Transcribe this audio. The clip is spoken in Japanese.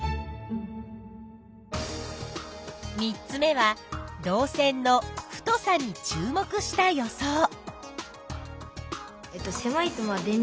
３つ目は導線の「太さ」に注目した予想。